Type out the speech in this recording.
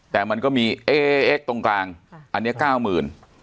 แต่มันก็มี๙๙๙ตรงกลางอันนี้ก้าวหมื่น